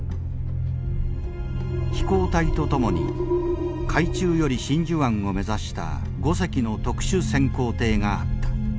飛行隊と共に海中より真珠湾を目指した５隻の特殊潜航艇があった。